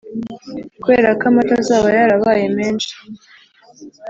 kubera ko amata azaba yarabaye menshi